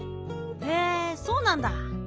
へえそうなんだ。